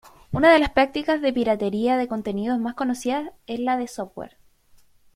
Una de las prácticas de piratería de contenidos más conocida es la del software.